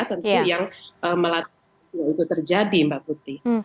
tentu yang melatih itu terjadi mbak putri